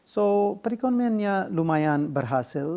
jadi perekonomiannya lumayan berhasil